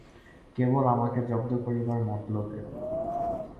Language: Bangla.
কেবল আমাকে জব্দ করিবার মতলবে।